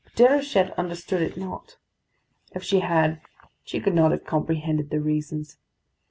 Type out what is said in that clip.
But Déruchette understood it not. If she had, she could not have comprehended the reasons.